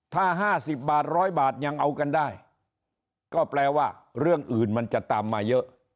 ถ้า๕๐บาท๑๐๐บาทยังเอากันได้ก็แปลว่าเรื่องอื่นมันจะตามมาเยอะ